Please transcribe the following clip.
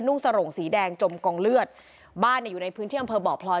่งสโรงสีแดงจมกองเลือดบ้านเนี่ยอยู่ในพื้นที่อำเภอบ่อพลอย